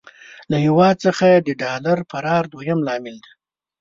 له هېواد څخه د ډالر فرار دويم لامل دی.